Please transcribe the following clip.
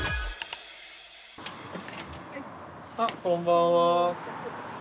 あこんばんは。